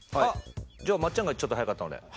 じゃあまっちゃんがちょっと早かったので。